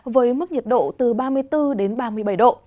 với mức nhiệt độ từ ba mươi bốn đến ba mươi bảy độ